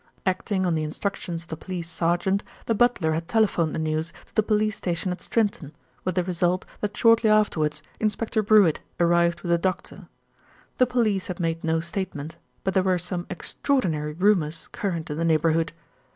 Acting on the instructions of the police sergeant, the butler had telephoned the news to the police station at Strinton, with the result that shortly afterwards Inspector Brewitt arrived with a doctor. The police had made no statement; but there were some extraordinary rumours current in the neighbourhood.